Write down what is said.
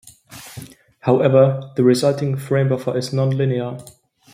However, the resulting framebuffer is non-linear.